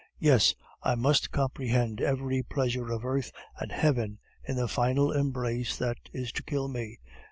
Yes, I must comprehend every pleasure of earth and heaven in the final embrace that is to kill me.